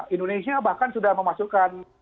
indonesia bahkan sudah memasukkan